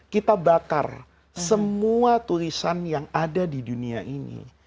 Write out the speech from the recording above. kita bakar semua tulisan yang ada di dunia ini